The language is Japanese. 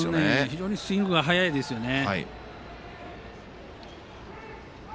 非常にスイングが速いですよね。